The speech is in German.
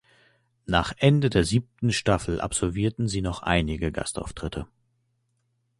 Nach Ende der siebten Staffel absolvierte sie noch einige Gastauftritte.